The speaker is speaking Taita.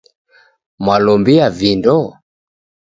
mwalombia vindo?